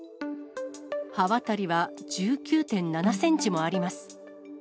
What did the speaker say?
刃渡りは１９．７センチもあります。